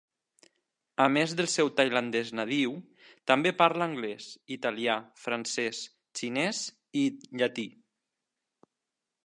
A més del seu tailandès nadiu, també parla anglès, italià, francès, xinès i llatí.